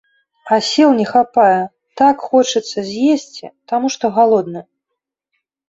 А сіл не хапае, так хочацца з'есці, таму што галодны.